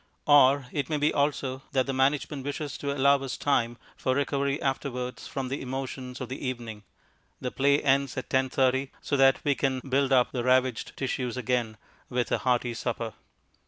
Or it may be also that the management wishes to allow us time for recovery afterwards from the emotions of the evening; the play ends at 10.30, so that we can build up the ravaged tissues again with a hearty supper.